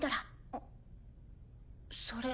あっそれ。